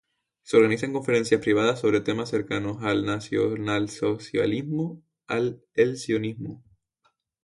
Se organizan conferencias privadas sobre temas cercanos al nacionalsocialismo, el sionismo.